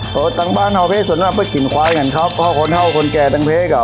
ต่างบ้านเท่าเพศส่วนมากเป็นกลิ่นควายเหมือนกันครับเพราะคนเท่าคนแก่เท่าเพศอ่ะ